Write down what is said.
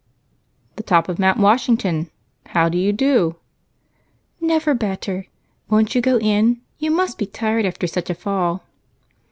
"The top of Mount Washington. How do you do?" "Never better. Won't you go in? You must be tired after such a fall."